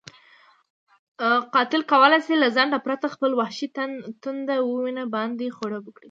قاتل کولی شي له ځنډ پرته خپله وحشي تنده وینو باندې خړوبه کړي.